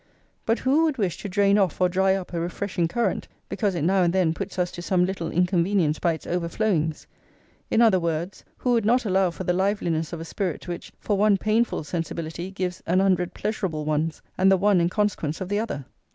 But who would wish to drain off or dry up a refreshing current, because it now and then puts us to some little inconvenience by its over flowings? In other words, who would not allow for the liveliness of a spirit which for one painful sensibility gives an hundred pleasurable ones; and the one in consequence of the other?